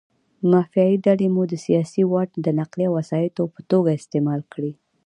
مافیایي ډلې مو د سیاسي واټ د نقلیه وسایطو په توګه استعمال کړي.